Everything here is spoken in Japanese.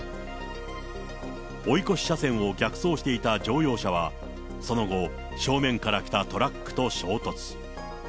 追い越し車線を逆走していた乗用車は、その後、正面から来たトラックと衝突。